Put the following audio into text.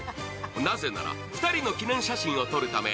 なぜなら、２人の記念写真を撮るため